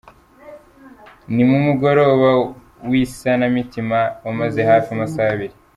Ni mu mugoroba w’isanamitima wamaze hafi amasa abiri.